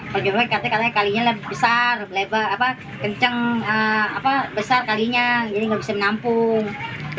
pada awal katanya kalinya lebih besar lebih lebar kencang besar kalinya jadi nggak bisa menampung